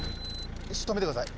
よし止めて下さい。